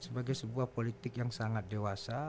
sebagai sebuah politik yang sangat dewasa